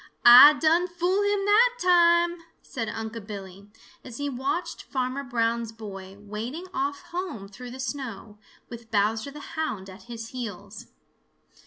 "Ah done fool him that time," said Unc' Billy, as he watched Farmer Brown's boy wading off home through the snow, with Bowser the Hound at his heels.